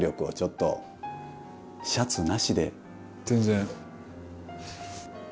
全然。